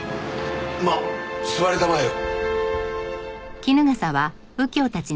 まあ座りたまえよ。